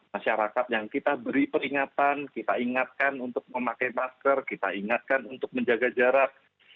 masyarakat yang kita beri peringatan kita ingatkan untuk memakai masker kita ingatkan untuk menjaga jarak